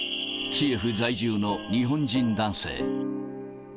キエフ在住の日本人男性。